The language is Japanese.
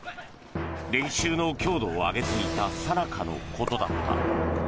練習の強度を上げていたさなかのことだった。